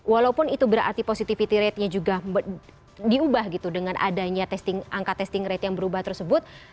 walaupun itu berarti positivity ratenya juga diubah gitu dengan adanya angka testing rate yang berubah tersebut